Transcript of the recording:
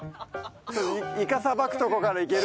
イカさばくとこからいける？